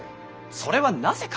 それはなぜか？